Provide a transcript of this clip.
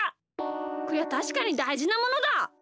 こりゃたしかにだいじなものだ！